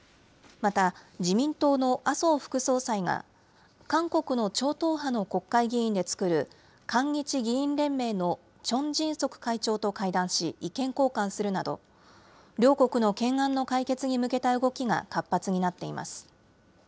また自民党の麻生副総裁が、韓国の超党派の国会議員で作る韓日議員連盟のチョン・ジンソク会長と会談し、意見交換するなど、両国の懸案の解決に向けた動きが活発になっています。